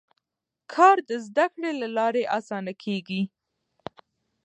کار د زده کړې له لارې اسانه کېږي